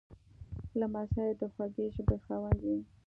لمسی د خوږې ژبې خاوند وي.